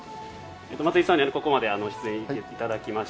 松井さんにここまで出演いただきました。